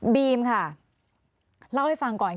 บีมค่ะเล่าให้ฟังก่อน